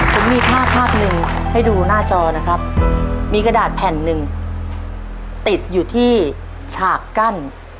ผมมีภาพภาพหนึ่งให้ดูหน้าจอนะครับมีกระดาษแผ่นหนึ่งติดอยู่ที่ฉากกั้น